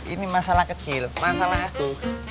ini masalah kecil masalah aku